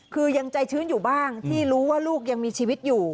คือยังใจชื้นอยู่บ้างที่รู้ว่าลูกยังมีชีวิตอยู่